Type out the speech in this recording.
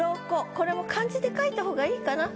これも漢字で書いた方がいいかな。